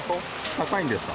高いんですか？